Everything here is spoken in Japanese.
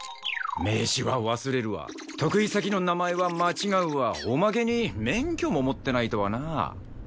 名刺は忘れるわ得意先の名前は間違うわおまけに免許も持ってないとはなあ。